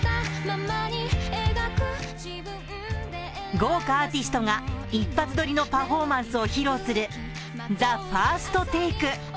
豪華アーティストが一発撮りのパフォーマンスを披露するＴＨＥＦＩＲＳＴＴＡＫＥ。